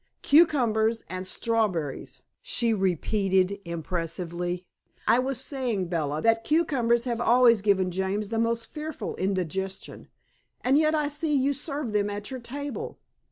"Cucumbers and strawberries," she repeated impressively. "I was saying, Bella, that cucumbers have always given James the most fearful indigestion. And yet I see you serve them at your table.